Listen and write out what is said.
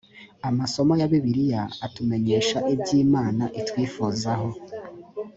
amasomo ya bibiliya atumenyesha ibyo imana itwifuzaho